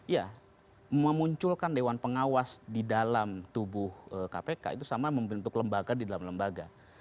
jadi menunjukan dewan pengawas di dalam tubuh kpk itu sama membentuk lembaga di dalam lembaga